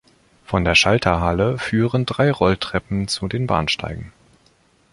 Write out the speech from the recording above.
Von der Schalterhalle führen drei Rolltreppen zu den Bahnsteigen.